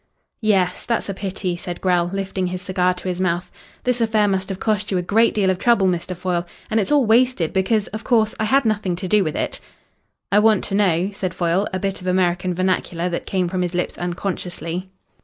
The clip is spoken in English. "Yes. That's a pity," said Grell, lifting his cigar to his mouth. "This affair must have cost you a great deal of trouble, Mr. Foyle. And it's all wasted, because, of course, I had nothing to do with it." "I want to know," said Foyle, a bit of American vernacular that came from his lips unconsciously.